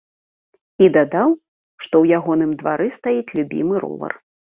І дадаў, што ў ягоным двары стаіць любімы ровар.